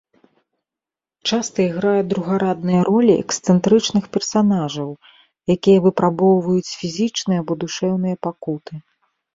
Часта іграе другарадныя ролі эксцэнтрычных персанажаў, якія выпрабоўваюць фізічныя або душэўныя пакуты.